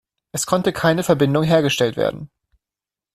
Es konnte keine Verbindung hergestellt werden.